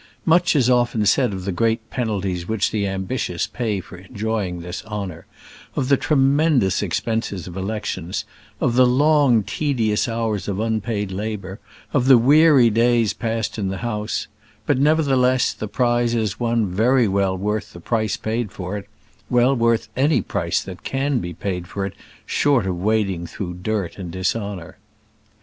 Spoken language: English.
Much is often said of the great penalties which the ambitious pay for enjoying this honour; of the tremendous expenses of elections; of the long, tedious hours of unpaid labour: of the weary days passed in the House; but, nevertheless, the prize is one very well worth the price paid for it well worth any price that can be paid for it short of wading through dirt and dishonour.